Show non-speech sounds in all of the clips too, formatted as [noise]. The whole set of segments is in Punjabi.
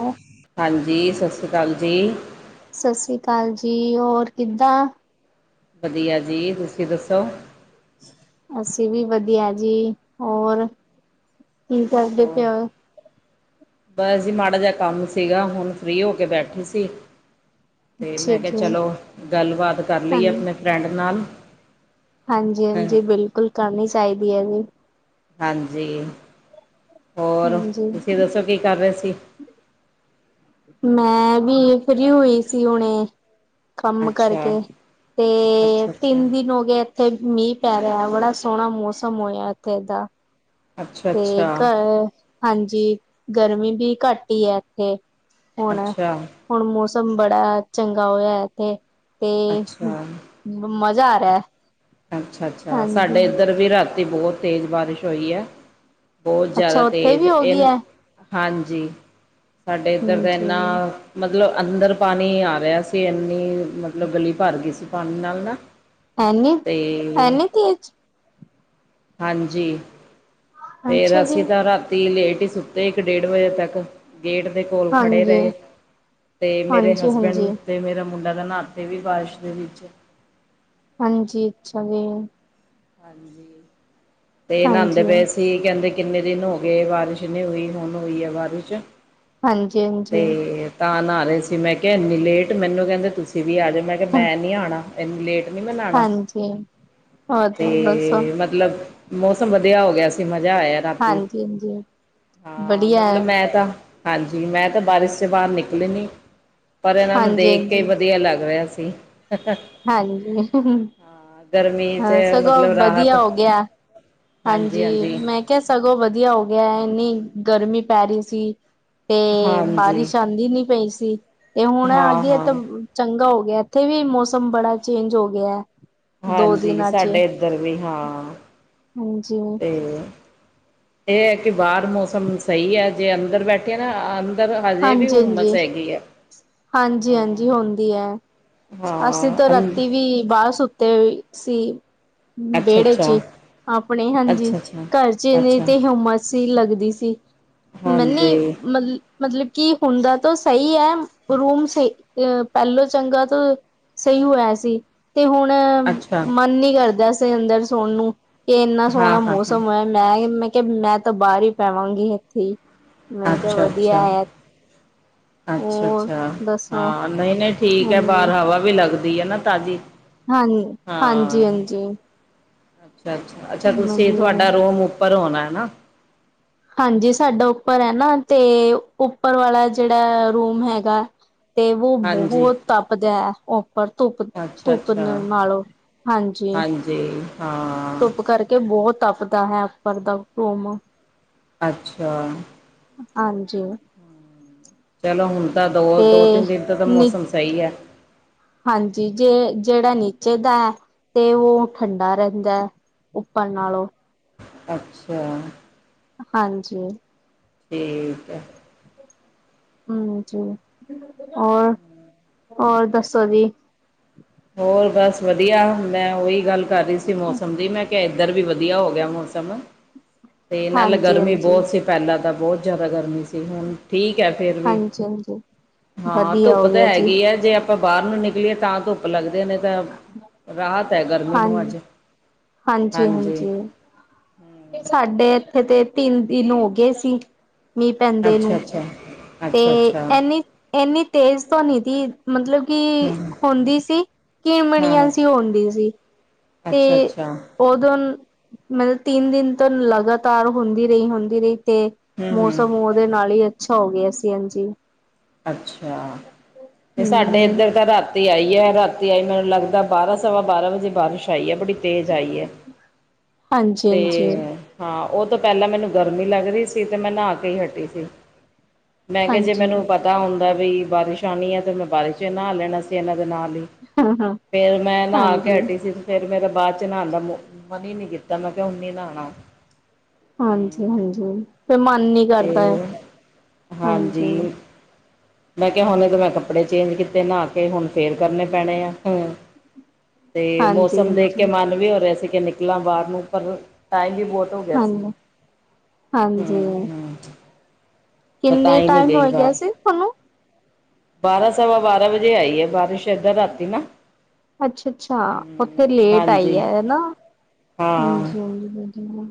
ਓ ਹਾਂਜੀ, ਸਸ ਰੀ ਕਾਲ ਜੀ। ਸਸ ਰੀ ਕਾਲ ਜੀ, ਹੋਰ ਕਿੱਦਾਂ ਵਧੀਆ ਜੀ, ਤੁਸੀਂ ਦੱਸੋ। ਅਸੀਂ ਵੀ ਵਧੀਆ ਜੀ, ਹੋਰ ਕੀ ਕਰਦੇ ਹੋਰ ਪਏ ਓ। ਬਸ ਜੀ ਮਾੜਾ ਜਾ ਕੰਮ ਸੀਗਾ, ਹੁਣ ਫਰੀ ਹੋ ਕੇ ਬੈਠੇ ਸੀ। ਤੇ ਅੱਛਾ ਮੈਂ ਕਿਹਾ ਜੀ ਚਲੋ ਗੱਲਬਾਤ ਕਰ ਹਾਂ ਲਈਏ, ਆਪਣੇ ਫਰੈਂਡ ਨਾਲ। ਹਾਂਜੀ ਹਾਂ -ਹਾਂਜੀ, ਬਿਲਕੁਲ ਕਰਨੀ ਚਾਹੀਦੀ ਐ ਜੀ। ਹਾਂਜੀ, ਹੋਰ ਹਾਂਜੀ ਤੁਸੀਂ ਦੱਸੋ ਕੀ ਕਰ ਰਹੇ ਸੀ। ਮੈਂ ਵੀ ਫਰੀ ਹੋਈ ਸੀ ਹੁਣੇ। ਕੰਮ ਕਰਕੇ, ਅੱਛਾ ਤੇ ਅੱਛਾ ਤਿੰਨ ਦਿਨ ਅੱਛਾ ਹੋਗੇ ਇਥੇ ਮੀਂਹ ਪੈ ਰਿਹਾ, ਬੜਾ ਸੋਹਣਾ ਮੌਸਮ ਹੋਇਆ ਇੱਥੇ ਦਾ। ਅੱਛਾ ਤੇ ਅੱਛਾ ਘਰ ਹਾਂਜੀ, ਗਰਮੀ ਵੀ ਘੱਟ ਈ ਐ, ਇੱਥੇ ਹੁਣ। ਅੱਛਾ ਹੁਣ ਮੌਸਮ ਬੜਾ ਚੰਗਾ ਹੋਇਆ ਇੱਥੇ ਤੇ ਅੱਛਾ ਮ ਮਜ਼ਾ ਆ ਰਿਹਾ। ਅੱਛਾ -ਅੱਛਾ, ਹਾਂਜੀ ਸਾਡੇ ਇੱਧਰ ਵੀ ਰਾਤੀ ਬਹੁ ਤੇਜ਼ ਬਾਰਿਸ਼ ਹੋਈ ਐ। ਬਹੁ ਅੱਛਾ ਜ਼ਿਆਦਾ ਉੱਥੇ ਤੇਜ਼ ਵੀ ਹੋ ਗਈ ਇਹ, ਹੈ ਹਾਂਜੀ ਸਾਡੇ ਇੱਧਰ ਦਾ ਹਾਂਜੀ ਇੰਨਾ ਮਤਲਬ ਅੰਦਰ ਪਾਣੀ ਆ ਰਿਹਾ ਸੀ, ਇੰਨੀ ਮਤਲਬ ਗਲੀ ਭਰ ਗਈ ਸੀ ਪਾਣੀ ਨਾਲ ਨਾ। ਐਨੀ ਤੇ -ਐਨੀ ਤੇਜ਼ ਹਾਂਜੀ ਫਿਰ ਅੱਛਾ ਜੀ ਅਸੀਂ ਤਾਂ ਰਾਤੀ ਲੇਟ ਹੀ ਸੁੱਤੇ ਇੱਕ ਡੇਢ ਵਜੇ ਤੱਕ। ਗੇਟ ਦੇ ਕੋਲ ਖੜੇ ਹਾਂਜੀ ਰਹੇ, ਤੇ ਮੇਰੇ ਹਾਂਜੀ ਹਾਂਜੀ ਹਸਬੈਂਡ ਤੇ ਮੇਰਾ ਮੁੰਡਾ ਤਾਂ ਨਹਾਤੇ ਵੀ ਬਾਰਿਸ਼ ਦੇ ਵਿੱਚ। ਹਾਂਜੀ, ਅੱਛਾ ਜੀ। ਹਾਂਜੀ, ਤੇ ਇਹ ਨਾਂਦੇ ਹਾਂਜੀ ਹਾਂਜੀ ਪਏ ਸੀ। ਤੇ ਕਹਿੰਦੇ ਕਿੰਨੇ ਦਿਨ ਹੋ ਗਏ ਬਾਰਿਸ਼ ਨੀ ਹੋਈ, ਹੁਣ ਹੋਈ ਐ ਬਾਰਿਸ਼। ਤੇ ਹਾਂਜੀ ਤਾਂ ਨਾ ਰਹੇ ਸੀ, ਮੈਂ ਕਿਹਾ ਇਨੀ ਲੇਟ, ਮੈਨੂੰ ਕਹਿੰਦੇ ਤੁਸੀਂ ਤੁਸੀਂ ਵੀ ਆ ਜਾਓ, ਮੈਂ ਕਿਹਾ ਮੈਂ ਨੀ ਆਣਾ ਐਨੀ ਲੇਟ ਨੀ ਮੈਂ ਨਹਾਣਾ। ਤੇ ਤੇ ਮਤਲਬ ਮੌਸਮ ਵਧੀਆ ਹੋ ਗਿਆ ਸੀ ਮਜ਼ਾ ਆਇਆ। ਵੀ ਹਾਂਜੀ ਹਾਂਜੀ ਹਾਂ, ਵਧੀਆ ਹੈ ਮਤਲਬ ਮੈਂ ਤਾਂ ਹਾਂਜੀ ਮੈਂ ਤਾਂ ਬਾਰਿਸ਼ ਚ ਬਾਹਰ ਨਿਕਲੀ ਨੀ। ਪਰ ਇਹਨਾਂ ਨੂੰ ਹਾਂਜੀ ਦੇਖ ਕੇ ਹਾਂਜੀ ਵਧੀਆ ਲੱਗ ਰਿਹਾ ਸੀ। ਹਾਂਜੀ, ਗਰਮੀ ਚ ਹਾਂ ਸਗੋਂ ਮਤਲਬ ਰਾਹਤ ਵਧੀਆ ਹੋ ਗਿਆ ਹਾਂਜੀ, ਮੈਂ ਕਿਹਾ ਸਗੋਂ ਵਧੀਆ ਹੋ ਗਿਆ ਇੰਨੀ ਗਰਮੀ ਪੈ ਰਹੀ ਸੀ। ਤੇ ਹਾਂਜੀ ਬਾਰਿਸ਼ ਆਂਦੀ ਨੀ ਪਈ ਸੀ ਤੇ ਹੁਣ ਹਾਂ ਆਗੀ ਐ ਹਾਂ ਤਾਂ ਚੰਗਾ ਹੋ ਗਿਆ ਇੱਥੇ ਵੀ ਮੌਸਮ ਬੜਾ ਚੇਂਜ ਹੋ ਗਿਆ। ਦੋ ਹਾਂਜੀ, ਦਿਨਾਂ ਚ ਸਾਡੇ ਇੱਧਰ ਵੀ ਹਾਂ। ਹਾਂਜੀ, ਤੇ ਇਹ ਐ ਕਿ ਬਾਹਰ ਮੌਸਮ ਸਹੀ ਐ ਜੇ ਅੰਦਰ ਬੈਠੇ ਨਾ ਅ ਹਜੇ ਵੀ ਹਾਂਜੀ ਹੋਮਸ ਹਾਂਜੀ। ਹੈਗੀ ਐ। ਹਾਂਜੀ ਹਾਂਜੀ, ਹੁੰਦੀ ਐ ਅਸੀਂ ਹਾਂ ਤੋਂ ਅੰ ਰਾਤੀ ਵੀ ਬਾਹਰ ਸੁ ਤੇ ਸੀ ਅੱਛਾ ਵੇਹੜੇ ਚ ਅੱਛਾ ਈ। ਆਪਣੇ ਹਾਂਜੀ ਅੱਛਾ-ਅੱਛਾ, ਘਰ ਚ ਤੇ ਅੱਛਾ ਨੀ ਹੋਮਸ ਹੀ ਲੱਗਦੀ ਸੀ। ਹਾਂਜੀ ਨਹੀਂ ਮਤਲਬ। ਮਤਲਬ ਕਿ ਹੁੰਦਾ ਤਾਂ ਸਹੀ ਐ ਰੂਮ ਸਈ ਅਹ ਪਹਿਲੋਂ ਚੰਗਾ ਤੋਂ ਸਹੀ ਹੋਇਆ ਸੀ। ਤੇ ਹੁਣ ਅੱਛਾ ਮਨ ਨੀ ਕਰਦਾ ਸੀ ਅੰਦਰ ਸੌਣ ਨੂੰ ਕਿ ਇੰਨਾ ਸੋਹਣਾ ਹਾਂ-ਹਾਂ-ਹਾਂ, ਮੌਸਮ ਐ। ਮੈਂ ਮੈਂ ਕਿਹਾ ਮੈਂ ਤਾਂ ਬਾਹਰ ਹੀ ਪਵਾਂਗੀ ਇੱਥੇ ਈ ਮੈਂ ਕਿਹਾ ਵਧੀਆ ਅੱਛਾ-ਅੱਛਾ, ਹੋਰ ਅੱਛਾ-ਅੱਛਾ, ਦੱਸੋ ਹਾਂ ਨਹੀਂ-ਨਹੀਂ ਠੀਕ ਐ ਹਾਂਜੀ ਬਾਹਾਰ ਹਵਾ ਵੀ ਲੱਗਦੀ ਨਾ ਤਾਜ਼ੀ। ਹਾਂ ਹਾਂਜੀ-ਹਾਂਜੀ ਹਾਂਜੀ, ਅੱਛਾ-ਅੱਛਾ, ਅੱਛਾ ਤੁਸੀਂ ਵਧੀਆ। ਤੁਹਾਡਾ ਰੂਮ ਉੱਪਰ ਹੋਣਾ ਨਾ। ਹਾਂਜੀ, ਸਾਡਾ ਉੱਪਰ ਐ ਨਾ ਤੇ ਉੱਪਰ ਵਾਲਾ ਜਿਹੜਾ ਰੂਮ ਹੈਗਾ। ਤੇ ਵੋ ਹਾਂਜੀ ਬਹੁਤ ਤਪਦਾ ਧੁੱਪ ਧੁੱਪ ਅੱਛਾ-ਅੱਛਾ ਨਾਲੋਂ ਹਾਂਜੀ ਧੁੱਪ ਕਰਕੇ। ਬਹੁਤ ਤਪਦਾ ਹਾਂ ਉੱਪਰ ਦਾ ਰੂਮ। ਅੱਛਾ, ਹਾਂਜੀ, ਚਲੋ ਹੁਣ ਤਾਂ ਤੇ ਦੋ-ਦੋ ਤਿੰਨ ਦਿਨ ਤੋਂ ਤਾਂ ਨੀ ਮੌਸਮ ਸਹੀ ਆ। ਹਾਂਜੀ, ਜੇ ਜਿਹੜਾ ਨੀਚੇ ਦਾ ਤੇ ਉਹ ਠੰਡਾ ਰਹਿੰਦਾ। ਉੱਪਰ ਨਾਲੋਂ। ਅੱਛਾ, ਹਾਂਜੀ, ਠੀਕ ਐ ਹਾਂਜੀ, ਹੋਰ ਹੋਰ ਦੱਸੋ ਜੀ। ਹੋਰ ਬਸ ਵਧੀਆ ਮੈਂ ਉਹੀ ਗੱਲ ਕਰ ਰਹੀ ਸੀ ਮੌਸਮ ਦੀ ਮੈਂ। ਕਿ ਇੱਧਰ ਵੀ ਵਧੀਆ ਹੋ ਗਿਆ ਮੌਸਮ। ਅਤੇ ਇਹਨਾਂ ਨਾਲ ਹਾਂਜੀ ਗਰਮੀ ਹਾਂਜੀ ਬਹੁਤ ਸੀ ਪਹਿਲਾਂ ਤਾਂ ਬਹੁਤ ਜ਼ਿਆਦਾ ਗਰਮੀ ਸੀ ਹੁਣ ਠੀਕ ਹੈ ਫੇਿਰ ਵੀ ਹਾਂਜੀ ਹਾਂਜੀ ਹਾਂ ਵਧੀਆ ਧੁੱਪ ਹੋ ਤਾਂ ਗਿਆ ਜੀ ਹੈਗੀ ਹੈ ਜੇ ਆਪਾਂ ਬਾਹਰ ਨੂੰ ਨਿਕਲੀਏ ਤਾਂ ਧੁੱਪ, [unintelligible] ਲੱਗਦੀ ਨੀ ਤਾਂ ਰਾਹਤ ਐ ਗਰਮੀ ਹਾਂ ਨੂੰ ਅੱਜ ਹਾਂਜੀ। ਸਾਡੇ ਇੱਥੇ ਤੇ ਤਿੰਨ ਦਿਨ ਹੋ ਗਏ ਸੀ। ਮੀਂਹ ਪੈਂਦੇ ਅੱਛਾ ਨੂੰ ਅੱਛਾ ਤੇ ਅੱਛਾ ਅੱਛਾ ਇਨੀ ਇੰਨੀ ਤੇਜ਼ ਤਾਂ ਨੀ ਤੀ ਮਤਲਬ ਕਿ ਹਮ ਹੁੰਦੀ ਸੀ ਕਿਣ ਹਾਂ ਮਣੀਆਂ ਸੀ ਹੁੰਦੀ ਸੀ। ਅੱਛਾ ਤੇ, ਅੱਛਾ ਉਦੋਂ ਮਤਲਬ ਤਿੰਨ ਦਿਨ ਤੋਂ ਲਗਾਤਾਰ ਹੁੰਦੀ ਰਹੀ ਹੁੰਦੀ ਰਹੀ ਤੇ। ਹਮ ਹਮ ਮੌਸਮ ਉਹਦੇ ਨਾਲ ਹੀ ਅੱਛਾ ਹੋ ਗਿਆ ਸੀ ਹਾਂਜੀ। ਅੱਛਾ ਅਤੇ ਸਾਡੇ ਹਮ ਇੱਧਰ ਤਾਂ ਰਾ ਤੇ ਆਈ ਹੈ ਰਾਤੀ ਐੱਸ ਤਰਾ ਲੱਗਦਾ ਬਾਰਾਂ ਸਵਾ ਬਾਰਾਂ ਵਜੇ ਬਾਰਿਸ਼ ਆਈ ਹੈ ਬੜੀ ਤੇਜ਼ ਆਈ ਆ ਹਾਂਜੀ ਤੇ ਹਾਂਜੀ ਹਾ ਉਹ ਤੋਂ ਪਹਿਲਾਂ ਮੈਂਨੂੰ ਗਰਮੀ ਲੱਗ ਰਹੀ ਸੀ ਤੇ ਮੈਂ ਨਹਾ ਕੇ ਹੀ ਹਟੀ ਸੀ ਮੈਂ ਕਿਹਾ ਜੇ ਹਾਂਜੀ ਮੈਨੂੰ ਹਾਂ ਪਤਾ ਹੁੰਦਾ ਵੀ ਬਾਰਿਸ਼ ਆਉਣੀ ਹੈ ਤਾਂ ਮੈਂ ਬਾਰਿਸ਼ ਚ ਨਾਹਾ ਲੈਣਾ ਸੀ ਇਹਨਾਂ ਦੇ ਨਾਲ ਹੀ ਹਾਂ ਫੇਰ ਮੈਂ ਨਹਾ ਕੇ ਹਾਂਜੀ ਹਟੀ ਸੀ ਫੇਰ ਮੇਰੇ ਬਾਅਦ ਚ ਨਹਾਦਾ ਮਨ ਹੀ ਨੀ ਕੀਤਾ ਮੈਂ ਕਿਹਾ ਹੁਣ ਨੀ ਨਹਾਉਣ ਹਾਂਜੀ ਹਾਂਜੀ ਫੇਰ ਮਨ ਨੀ ਕਰਦਾ ਤੇ ਹਾਂਜੀ ਮੈਂ ਕਿਹਾ ਹੁਣ ਇਹ ਮੈਂ ਕੱਪੜੇ ਚੇਜ ਕੀਤੇ ਨਹਾ ਕੇ ਹੁਣ ਫੇਰ ਕਰਨੇ ਪੈਣੇ ਆ ਹ ਤੇ ਹਾਂਜੀ ਮੌਸਮ ਦੇਖ ਹਾਂਜੀ ਕੇ ਮਨ ਵੀ ਹੋ ਰਿਹਾ ਸੀ ਕਿ ਨਿਕਲਾਂ ਬਾਹਰ ਨੂੰ ਪਰ ਟਾਈਮ ਵੀ ਬਹੁਤ ਹੋ ਗਿਆ ਸੀ ਹਾਂਜੀ ਹਾਂਜੀ ਹਮ ਹ ਕਿੰਨੇ ਟਾਈਮ ਹੋ ਗਿਆ ਸੀ ਤੁਹਾਨੂੰ ਬਾਰਾਂ ਸਵਾ ਬਾਰਾਂ ਵਜੇ ਆਈ ਹੈ ਬਾਰਿਸ਼ ਏਧਰ ਰਾਤੀ ਨਾ ਅੱਛਾ ਅੱਛਾ ਉਥੇ ਹਮ ਲੇਟ ਆਈ ਹਾਂਜੀ ਹੈ ਨਾ ਹਾਂ ਹਾਂਜੀ ਹਾਂਜੀ ਮੈ ਕਿ ਕਵਾ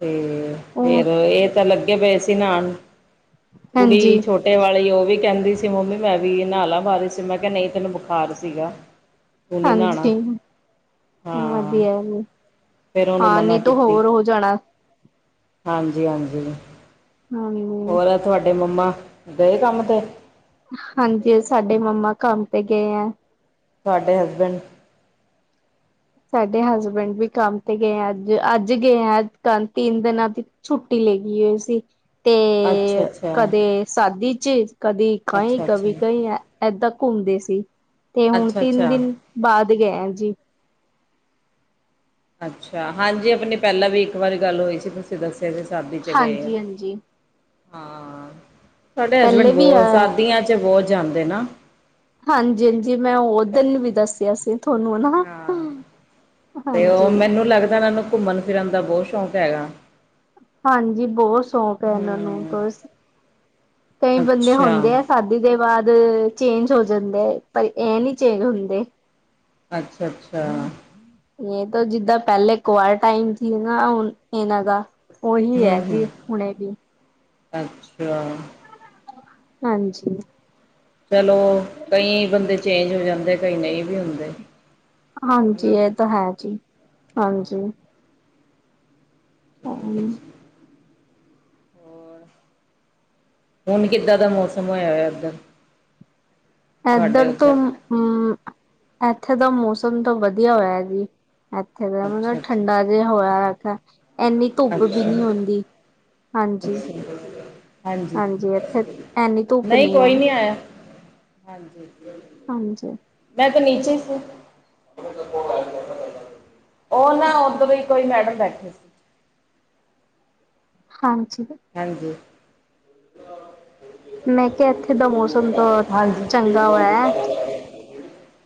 ਤੇ ਉਹ ਫੇਰ ਇਹ ਤਾਂ ਲੱਗੇ ਪਏ ਸੀ ਨਾਣ ਕੁੜੀ ਛੋਟੀ ਹਾਂਜੀ ਛੋਟੇ ਵਾਲੀ ਉਹ ਵੀ ਕਹਿੰਦੀ ਸੀ ਮੰਮੀ ਮੈਂ ਵੀ ਨਾ ਬਾਰੀਸ ਚ ਮੈਂ ਕਿਹਾ ਨਹੀਂ ਤੈਨੂੰ ਬੁਖਾਰ ਸੀਗਾ ਤੂੰ ਨਈ ਨਹਾਣਾ ਹਾਂਜੀ ਹਾਂ ਵਧੀਆ ਜੀ ਫਿਰ ਉਹਨੂੰ ਹਾਂ ਮਨਾ ਨਹੀਂ ਤਾਂ ਕੀਤੀ ਹੋਰ ਹੋ ਜਾਣਾ ਹਾਂਜੀ ਹਾਂਜੀ ਹਾਂਜੀ ਹੋਰ ਤੁਹਾਡੇ ਮੰਮਾ ਗਏ ਕੰਮ ਤੇ ਹਾਂਜੀ ਸਾਡੇ ਮੰਮਾ ਕੰਮ ਤੇ ਗਏ ਹੈ ਤੁਹਾਡੇ ਹਸਬੈਂਡ ਸਾਡੇ ਹਸਬੈਂਡ ਵੀ ਕੰਮ ਤੇ ਗਏ ਆ ਅੱਜ ਅੱਜ ਗਏ ਆ ਤਿੰਨ ਦਿਨਾਂ ਦੀ ਛੁੱਟੀ ਲੈਇ ਹੋਈ ਸੀ ਅੱਛਾ ਤੇ ਅੱਛਾ ਕਦੇ ਸਾਦੀ ਚ ਕਦੀ ਕਹੀ ਅੱਛਾ ਕਦੀ ਅੱਛਾ ਕਹੀ ਐ ਇਏਦਾਂ ਘੁੰਮਦੇ ਸੀ ਤੇ ਹੁਣ ਅੱਛਾ ਤਿੰਨ ਅੱਛਾ ਦਿਨ ਬਾਅਦ ਗਏ ਆ ਜੀ ਅੱਛਾ ਹਾਂਜੀ ਆਪਣੀ ਪਹਿਲਾਂ ਵੀ ਇੱਕ ਵਾਰੀ ਗੱਲ ਹੋਈ ਸੀ ਤੁਸੀਂ ਦੱਸਿਆ ਸੀ ਸ਼ਦੀ ਚ ਗਏ ਆ ਹਾਂਜੀ ਹਾਂਜੀ ਹਾਂ ਤਵਾਡੇ ਹਸਬੈਂਡ ਪਹਿਲੇ ਵੀ ਆ ਬਹੁਤ ਸਰਦੀਆਂ 'ਚ ਬਹੁਤ ਜਾਂਦੇ ਨਾ ਹਾਂਜੀ ਹਜੀ ਜੀ ਮੈਂ ਓ ਦਿਨ ਵੀ ਦੱਸਿਆ ਸੀ ਤੁਹਾਨੂੰ ਨਾ ਹਾਂਜੀ ਨੂੰ ਲੱਗਦਾ ਇਹਨਾਂ ਨੂੰ ਘੁੰਮਣ ਫਿਰਨ ਦਾ ਬਹੁਤ ਸ਼ੌਕ ਹੈਗਾ ਹਾਂਜੀ ਬਹੁਤ ਸ਼ੌਕ ਹੈ ਇਹਨਾਂ ਨੂੰ ਹੂੰ ਬੱਸ ਕਈ ਬੰਦੇ ਅੱਛਾ ਹੁੰਦੇ ਆ ਸ਼ਾਦੀ ਦੇ ਬਾਅਦ ਚੇਂਜ ਹੋ ਜਾਂਦਾ ਹੈ ਪਰ ਇਹ ਨੀ ਚੇਂਜ ਹੁੰਦੇ ਅੱਛਾ ਅੱਛਾ ਇਹ ਤਾਂ ਜਿੱਦਾ ਪਹਿਲੇ ਕੁ ਵਾਰ ਟਾਈਮ ਸੀ ਨਾ ਹੁਣ ਇਹਨਾਂ ਦਾ ਉਹੀ ਹੂੰ ਹੈ ਹੂੰ ਜੀ ਹੁਣੇ ਵੀ ਅੱਛਾ ਹਾਂਜੀ ਚਲੋ ਕਈ ਬੰਦੇ ਚੇਂਜ ਹੋ ਜਾਂਦੇ ਕਈ ਨਹੀਂ ਵੀ ਹੁੰਦੇ ਹਾਂਜੀ ਹਨਾ ਇਹ ਤਾਂ ਹੈ ਜੀ ਹਾਂ ਹਾਂਜੀ ਹਾਂ ਹੋਰ ਹੁਣ ਕਿੱਦਾਂ ਦਾ ਮੌਸਮ ਹੋਇਆ ਹੋ ਇੱਦਾਂ ਇਏਧਰ ਤੋਂ ਹੁਮ ਇੱਥੇ ਦਾ ਮੌਸਮ ਤਾਂ ਵਧੀਆ ਹੋਇਆ ਜੀ ਇੱਥੇ ਦਾ ਮਤਲਬ ਅੱਛਾ ਠੰਡਾ ਅੱਛਾ ਜਿਹਾ ਹੋਇਆ ਇੰਨੀ ਧੁੱਪ ਵੀ ਨੀ ਅੱਛਾ ਹੁੰਦੀ ਹਾਂਜੀ ਅੱਛਾ ਹਾਂਜੀ ਇੱਥੇ ਐਨੀ ਧੁੱਪ ਨਹੀਂ ਨੀ ਕੋਈ ਹੈ ਨਹੀਂ ਆਇਆ ਹਾਂਜੀ, ਹਾਂਜੀ, ਮੈਂ ਤਾਂ ਨੀਚੇ ਸੀ, ਉਹ ਨਾ ਉੱਧਰੋਂ ਹੀ ਕੋਈ ਮੈਡਮ ਬੈਠੇ ਸੀ। ਹਾਂਜੀ, ਹਾਂਜੀ, ਮੈਂ ਕਿਹਾ ਇੱਥੇ ਦਾ ਮੌਸਮ ਤਾਂ ਹਾਂਜੀ ਚੰਗਾ ਹੋਆ ਹੈ।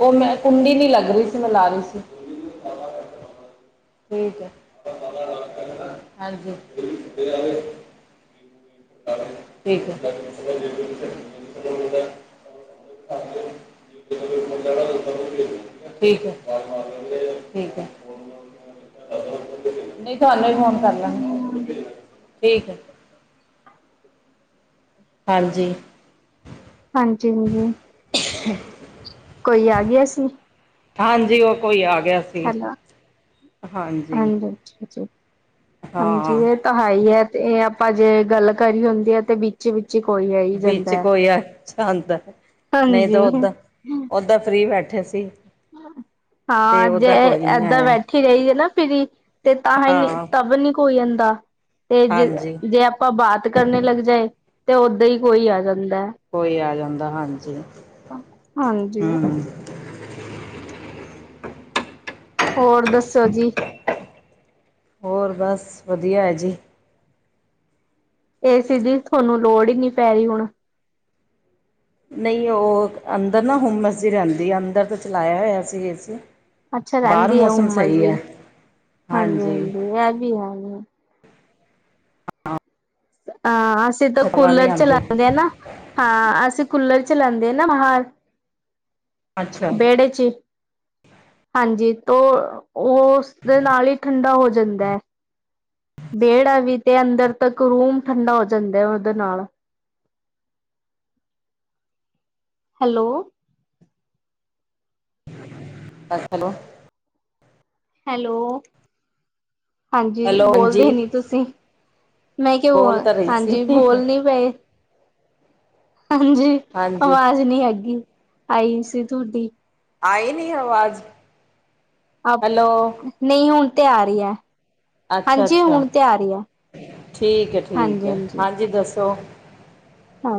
ਉਹ ਮੈਂ ਕੁੰਡੀ ਨੀ ਲੱਗ ਰਹੀ ਸੀ, ਮੈਂ ਲਾ ਰਹੀ ਸੀ। [unintelligible] ਠੀਕ ਹੈ ਹਾਂਜੀ, ਠੀਕ, ਹਾਂਜੀ, ਠੀਕ ਠੀਕ, [unintelligible] ਨਹੀਂ ਤੁਹਾਨੂੰ ਵੀ ਫੋਨ ਕਰ ਹਮ ਲਾਂਗੇ ਠੀਕ ਹੈ, ਹਾਂਜੀ, ਹਾਂਜੀ, ਹਾਂਜੀ, ਕੋਈ ਆ ਗਿਆ ਸੀਂ। ਹਾਂਜੀ, ਉਹ ਕੋਈ ਆ ਗਿਆ। ਸੀ ਹੈਲੋ, ਹਾਂਜੀ ਹਾਂਜੀ-ਹਾਂਜੀ। ਹਾਂ ਤਾਂ ਹੈ ਹੀ ਹੈ, ਤੇ ਇਹ ਆਪਾਂ ਜੇ ਗੱਲ ਕਰੀ ਹੁੰਦੀ ਹੈ ਤੇ ਵਿੱਚ ਵਿੱਚ ਹੀ ਕੋਈ ਹੈ ਹੀ ਜਾਂਦਾ ਹੈ ਦਾ ਨਹੀਂ ਤਾਂ ਹਾਂਜੀ ਓਦਾਂ-ਓਦਾਂ ਫਰੀ ਬੈਠੇ ਸੀ। ਤੇ ਹਾਂ ਜੇ ਓਦਾਂ ਕੋਈ ਨੀ ਏਦਾਂ ਆਇਆ ਬੈਠੀ, ਫਰੇਈ ਨਾ ਫਿਰੀ ਤੇ ਤਾਂ ਹੀ ਹਾਂ ਤਬ ਨੀ ਕੋਈ ਜਾਂਦਾ ਤੇ ਜੇ ਹਾਂਜੀ ਜੇ, ਆਪਾਂ ਬਾਤ ਕਰਨੇ ਲੱਗ ਜਾਏ, ਤੇ ਓਦਾਂ ਹੀ ਕੋਈ ਆ ਜਾਂਦਾ। ਕੋਈ ਆ ਜਾਂਦਾ ਹਾਂਜੀ, ਹਾਂਜੀ, ਹਮ ਹੋਰ ਦੱਸੋ ਜੀ? ਹੋਰ ਬਸ ਵਧੀਆ ਹੈ ਜੀ, ਏ ਸੀ ਦੀ ਤੁਹਾਨੂੰ ਲੋੜ ਹੀ ਨੀ ਪੈ ਰਹੀ ਹੁਣ ਨਹੀਂ ਉਹ ਅੰਦਰ ਨਾ ਹੁਮਸ ਜੀ ਰਹਿੰਦੀ, ਅੰਦਰ ਤਾਂ ਚਲਾਇਆ ਹੋਇਆ ਸੀ ਏਸੀ। ਅੱਛਾ ਬਾਹਰ ਰਹਿੰਦੀ ਆ, ਮੌਸਮ ਹੋਮਸ ਸਹੀ ਜੀ ਹੈ ਹਾਂਜੀ ਹਾਂਜੀ-ਹਾਂਜੀ ਇਹ ਵੀ ਹੈ। ਹਾਂ ਅਸੀਂ ਤਾਂ ਹਵਾ ਨਹੀਂ ਕੂਲਰ ਆਉਂਦੀ ਚਲਾਦੇ ਆ ਨਾ, ਹਾਂ ਅਸੀਂ ਕੂਲਰ ਚਲਾਦੇ ਆ ਨਾ ਬਾਹਰ ਅੱਛਾ ਵਿਹੜੇ ਚ ਹੀ ਹਾਂਜੀ ਤੇ ਉਹ ਉਸਦੇ ਨਾਲ ਹੀ, ਠੰਡਾ ਹੋ ਜਾਂਦਾ ਹੈ। ਵਿਹੜਾ ਵੀ ਤੇ ਅੰਦਰ ਤੱਕ ਰੂਮ ਠੰਡਾ ਹੋ ਜਾਂਦਾ, ਉਹਦੇ ਨਾਲ ਹੈਲੋ, ਚਲੋ, ਹੈਲੋ, ਹਾਂਜੀ ਹੈਲੋ ਬੋਲਦੇ ਹਾਂਜੀ ਨੀ ਤੁਸੀਂ, ਮੈਂ ਕਿ ਬੋਲ ਤਾਂ ਰਹੀ ਸੀ ਹਾਂਜੀ ਬੋਲ ਨੀ ਪਏ। ਹਾਂਜੀ ਹਾਂਜੀ ਆਵਾਜ਼ ਨਹੀਂ ਆਗੀ ਆਈ ਸੀ ਤੁਹਾਡੀ। ਆਈ ਨਹੀਂ ਆਵਾਜ਼, ਹੈਲੋ ਨਹੀਂ ਹੁਣ ਤੇ ਆ ਰਹੀ ਹੈ, ਅੱਛਾ ਹਾਂਜੀ ਅੱਛਾ ਹੁਣ ਤੇ ਆ ਰਹੀ ਹੈ। ਠੀਕ ਹੈ, ਠੀਕ ਹਾਂਜੀ ਹੈ, ਹਾਂਜੀ ਦੱਸੋ? ਹਾਂ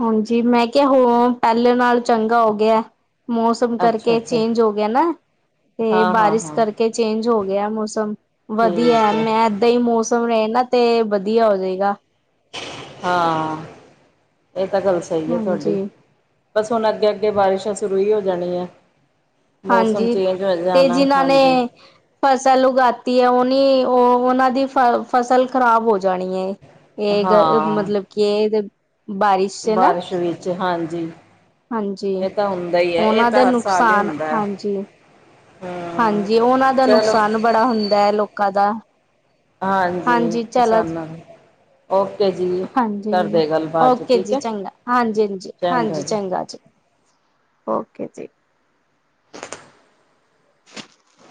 ਹਾਂਜੀ, ਮੈਂ ਕਿਹਾ ਪਹਿਲੇ ਨਾਲ ਚੰਗਾ ਹੋ ਗਿਆ। ਮੌਸਮ ਅੱਛਾ ਕਰਕੇ ਅੱਛਾ ਚੇਂਜ ਹੋ ਗਿਆ, ਨਾ ਤੇ ਹਾਂ ਹਾਂ ਬਾਰਿਸ਼ ਹਾਂ ਕਰਕੇ। ਚੇਂਜ ਹੋ ਗਿਆ, ਮੌਸਮ ਵਧੀਆ ਠੀਕ ਹੈ ਮੈਂ ਏਦਾਂ ਹੀ ਮੌਸਮ ਸੁਮ ਐਣੇ ਨਾ ਤੇ ਵਧੀਆ ਹੋ ਜਾਏਗਾ। ਹਾਂ, ਇਹ ਤਾਂ ਗੱਲ ਸਹੀ ਹੈ ਤੁਹਾਡੀ। ਹਾਂਜੀ ਬਸ ਹੁਣ ਅੱਗੇ-ਅੱਗੇ ਬਾਰਿਸ਼ਾਂ ਸ਼ੁਰੂ ਹੀ ਹੋ ਜਾਣੀ ਆਂ। ਹਾਂਜੀ, ਤੇ ਜਿਨਾਂ ਨੇ, ਹਾਂਜੀ ਫਸਲ ਉਗਾਤੀ ਹੈ, ਉਹ ਉਹ ਉਹਨਾਂ ਦੀ ਫੇਰ ਫਸਲ ਖ਼ਰਾਬ ਹੋ ਜਾਣੀ ਹੈ। ਇਹ ਹਾਂ ਮਤਲਬ ਕੀ, ਇਹ ਬਾਰਿਸ਼ ਚ ਨਾ ਬਾਰਿਸ਼ ਵਿੱਚ ਹਾਂਜੀ। ਹਾਂਜੀ, ਇਹ ਤਾਂ ਹੁੰਦਾ ਹੀ ਹੈ ਉਹਨਾਂ ਇਹ ਤਾਂ ਦੇ ਹਰ ਸਾਲ ਹੀ ਨੁਕਸਾਨ ਹੁੰਦਾ ਹੈ ਹਾਂਜੀ। ਹਮ ਹਾਂਜੀ, ਉਹਨਾਂ ਦਾ ਚਲੋ ਨੁਕਸਾਨ ਬੜਾ ਹੁੰਦਾ ਹੈ, ਲੋਕਾਂ ਦਾ ਹਾਂਜੀ, ਕਿਸਾਨਾਂ ਦਾ ਹਾਂਜੀ- ਹਾਂਜੀ, 'ਚ ਓਕੇ ਠੀਕ ਜੀ, ਹੈ ਚੰਗਾ ਹਾਂਜੀ -ਹਾਂਜੀ, ਹਾਂਜੀ ਚੰਗਾ ਜੀ। ਓਕੇ ਜੀ। [inaudible] [inaudible]